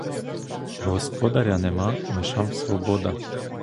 Господаря нема — мишам свобода!